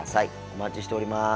お待ちしております。